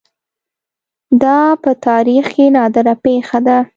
دا په تاریخ کې نادره پېښه ده